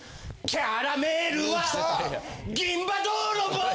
キャラメルは銀歯泥棒！